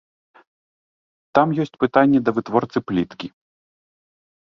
Там ёсць пытанні да вытворцы пліткі.